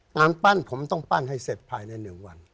งานปั้นผมต้องปั้นให้เสร็จภายใน๑วัน